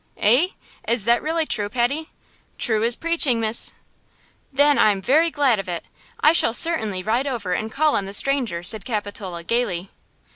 "Eh? Is that really true, Patty?" "True as preaching, miss." "Then, I am very glad of it! I shall certainly ride over and call on the stranger," said Capitola, gaily.